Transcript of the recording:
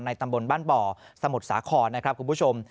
ตำบลบ้านบ่อสมุทรสาครนะครับคุณผู้ชม